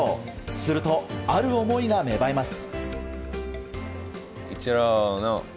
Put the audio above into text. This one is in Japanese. すると、ある思いが芽生えます。